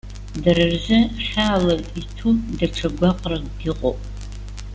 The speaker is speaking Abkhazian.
Дара рзы хьаала иҭәу даҽа гәаҟракгьы ыҟоуп.